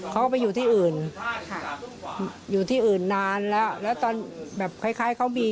เขาก็ไปอยู่ที่อื่นอยู่ที่อื่นนานแล้วแล้วตอนแบบคล้ายคล้ายเขามี